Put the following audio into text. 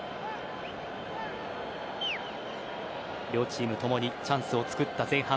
両チーム共にチャンスを作った前半。